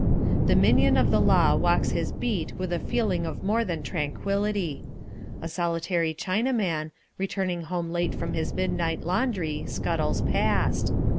The minion of the law walks his beat with a feeling of more than tranquillity. A solitary Chinaman, returning home late from his midnight laundry, scuttles past.